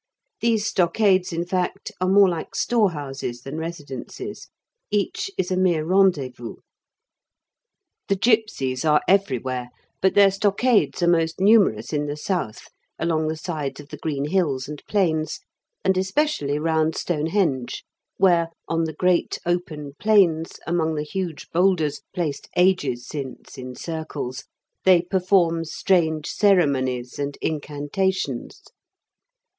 These stockades, in fact, are more like store houses than residences; each is a mere rendezvous. The gipsies are everywhere, but their stockades are most numerous in the south, along the sides of the green hills and plains, and especially round Stonehenge, where, on the great open plains, among the huge boulders, placed ages since in circles, they perform strange ceremonies and incantations.